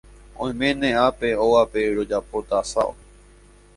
Oiméne ápe ógape rojapóta asado.